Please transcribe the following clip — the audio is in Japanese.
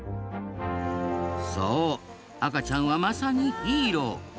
そう赤ちゃんはまさにヒーロー。